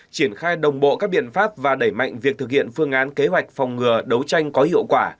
triển khai đồng bộ các biện pháp và đẩy mạnh việc thực hiện phương án kế hoạch phòng ngừa đấu tranh có hiệu quả